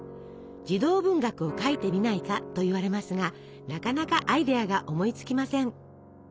「児童文学を書いてみないか」と言われますがなかなかアイデアが思いつきません。